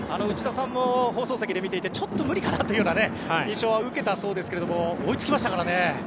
内田さんも放送席で見ていてちょっと無理かなという印象を受けたそうですが追いつきましたからね。